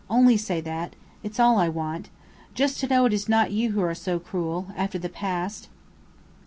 Only say that. It's all I want. Just to know it is not you who are so cruel after the past!"